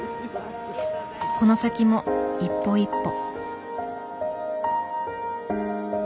この先も一歩一歩。